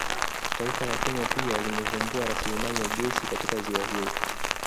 Taifa la Kenya pia limevumbua rasilimali ya gesi katika ziwa hilo